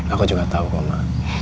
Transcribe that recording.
aku juga tahu ma